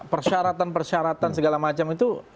persyaratan persyaratan segala macam